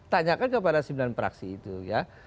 tanyakan kepada sembilan praksi itu ya